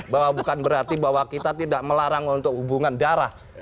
bahwa bukan berarti bahwa kita tidak melarang untuk hubungan darah